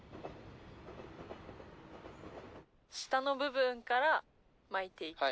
下の部分から巻いていく。